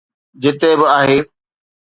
جتي به آهي